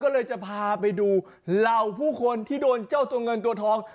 ก็เลยจะพาไปดูเหล่าผู้คนที่โดนเจ้าตัวเงินตัวทอง